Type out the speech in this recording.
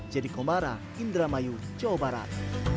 jadi komara indramayu jawa barat